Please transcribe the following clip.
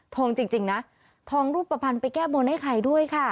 ทองจริงนะทองรูปบ้านไปแก้บนให้ไข่ด้วยค่ะ